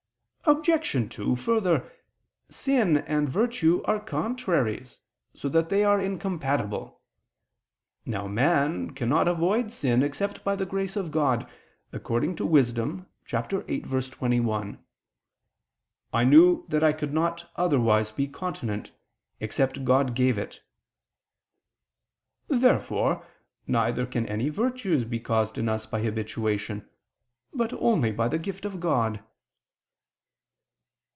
Obj. 2: Further, sin and virtue are contraries, so that they are incompatible. Now man cannot avoid sin except by the grace of God, according to Wis. 8:21: "I knew that I could not otherwise be continent, except God gave it." Therefore neither can any virtues be caused in us by habituation, but only by the gift of God.